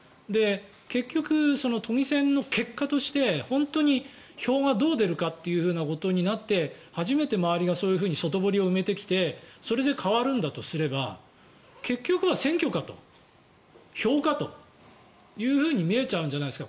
結局、都議選の結果として本当に票がどう出るかということになって初めて周りがそういうふうに外堀を埋めてきてそれで変わるんだとすれば結局は選挙かと票かと見えちゃうんじゃないですか？